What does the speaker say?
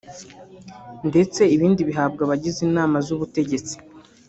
ndetse ibindi bihabwa abagize inama z’Ubutegetsi